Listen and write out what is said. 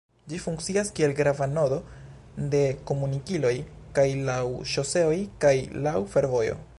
Ĝi funkcias kiel grava nodo de komunikiloj kaj laŭ ŝoseoj kaj laŭ fervojo.